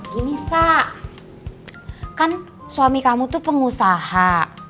gini sa kan suami kamu tuh pengusaha